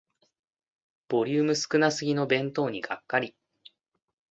ボリューム少なすぎの弁当にがっかり